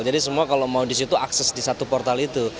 jadi semua kalau mau disitu akses di satu portal itu